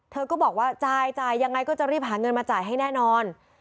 เธอก็บอกว่าจ่ายจ่ายยังไงก็จะรีบหาเงินมาจ่ายให้แน่นอน